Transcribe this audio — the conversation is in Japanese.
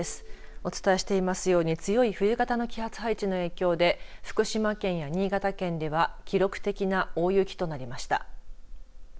お伝えしていますように強い冬型の気圧配置の影響で福島県や新潟県では記録的な大雪となりました。